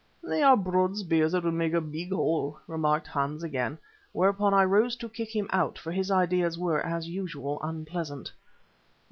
"They are broad spears that would make a big hole," remarked Hans again, whereupon I rose to kick him out, for his ideas were, as usual, unpleasant.